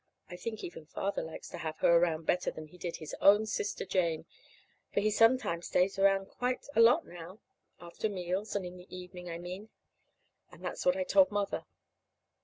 I think even Father likes to have her around better than he did his own sister Jane, for he sometimes stays around quite a lot now after meals, and in the evening, I mean. And that's what I told Mother.